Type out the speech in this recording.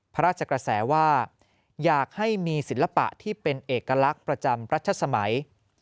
พระราชกระแสว่าอยากให้มีศิลปะที่เป็นเอกลักษณ์ประจำรัชสมัย